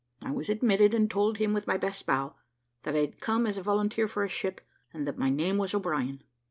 I was admitted, and told him, with my best bow, that I had come as a volunteer for his ship, and that my name was O'Brien.